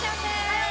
はい！